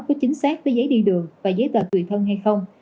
có chính xác với giấy đi đường và giấy tờ tùy thân hay không